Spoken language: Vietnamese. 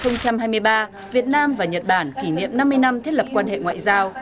năm hai nghìn hai mươi ba việt nam và nhật bản kỷ niệm năm mươi năm thiết lập quan hệ ngoại giao